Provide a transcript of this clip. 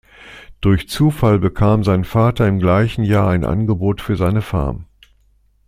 Durch Zufall bekam sein Vater im gleichen Jahr ein Angebot für seine Farm.